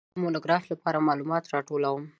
زه د مونوګراف لپاره معلومات راټولوم.